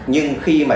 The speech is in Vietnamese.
nhưng khi mà